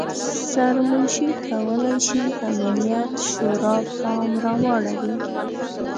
سرمنشي کولای شي امنیت شورا پام راواړوي.